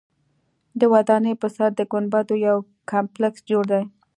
د ودانۍ پر سر د ګنبدونو یو کمپلیکس جوړ دی.